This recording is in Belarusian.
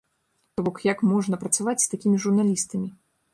То бок, як можна працаваць з такімі журналістамі?